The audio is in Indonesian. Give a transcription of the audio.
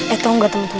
etoh enggak teman teman